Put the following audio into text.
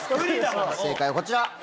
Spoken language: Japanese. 正解はこちら。